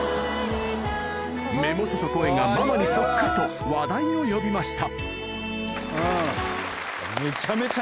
目元と声がママにそっくりと話題を呼びました